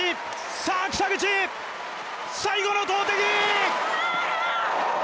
さあ北口、最後の投てき！